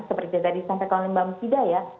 seperti tadi sampai kalau mbak musidaya